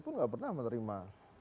pun enggak pernah menerima